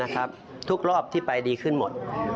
ทุกรอบที่ไปดีขึ้นหมด